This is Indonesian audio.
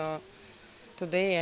swift juga membeli